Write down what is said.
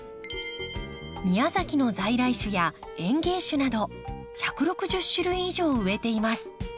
宮崎の在来種や園芸種など１６０種類以上を植えています。